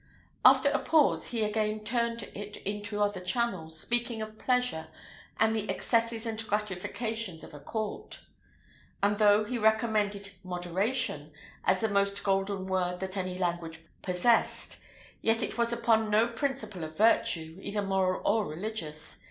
After a pause, he again turned it into other channels, speaking of pleasure, and the excesses and gratifications of a court; and though he recommended moderation, as the most golden word that any language possessed, yet it was upon no principle of virtue, either moral or religious.